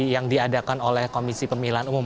yang diadakan oleh komisi pemilihan umum